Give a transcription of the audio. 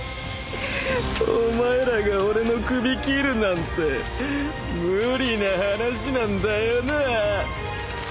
お前らが俺の首斬るなんて無理な話なんだよなぁあ。